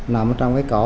nằm trong cái cỏ